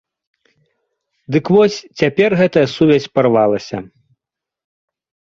Дык вось, цяпер гэтая сувязь парвалася.